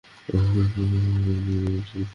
তার বাবা, ডাক্তার সকলেই চিন্তিত ছিলো।